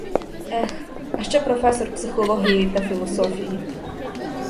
Ех, а ще професор психології та філософії!